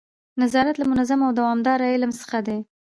نظارت له منظم او دوامداره علم څخه دی.